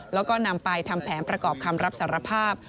แล้วก็นำไปทำแผนประกอบคำรับสารภาพ